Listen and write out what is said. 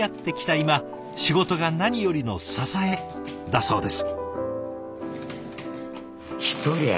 今仕事が何よりの支えだそうです。